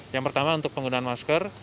yang pertama untuk penggunaan masker